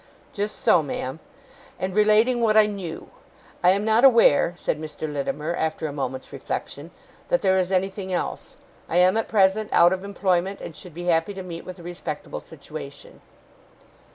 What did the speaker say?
'Just so, ma'am and relating what I knew. I am not aware,' said Mr. Littimer, after a moment's reflection, 'that there is anything else. I am at present out of employment, and should be happy to meet with a respectable situation.